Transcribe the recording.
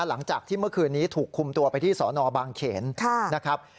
หลังจากที่เมื่อคืนนี้ถูกคุมตัวไปที่สนบางเขนนะครับ